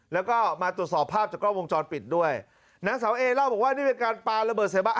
แล้วก็มาตรวจสอบภาพจากกล้องวงจรปิดด้วยนางสาวเอเล่าบอกว่านี่เป็นการปลาระเบิดใส่บะ